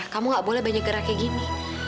kamu gak boleh banyak geraknya gini